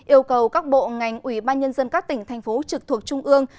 yêu cầu các bộ ngành ủy ban nhân dân các tỉnh thành phố trực thuộc trung ương